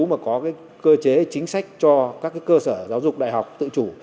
mà có cơ chế chính sách cho các cơ sở giáo dục đại học tự chủ